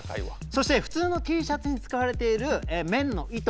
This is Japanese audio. そして普通のＴシャツに使われている綿の糸